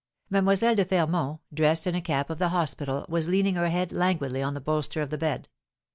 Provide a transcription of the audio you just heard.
Mlle, de Fermont, dressed in a cap of the hospital, was leaning her head languidly on the bolster of the bed.